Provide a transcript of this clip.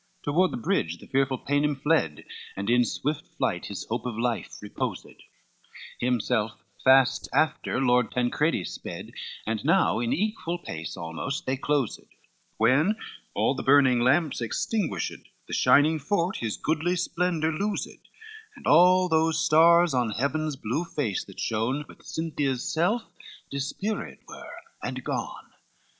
XLIV Toward the bridge the fearful Paynim fled, And in swift flight, his hope of life reposed; Himself fast after Lord Tancredi sped, And now in equal pace almost they closed, When all the burning lamps extinguished The shining fort his goodly splendor losed, And all those stars on heaven's blue face that shone With Cynthia's self, dispeared were and gone.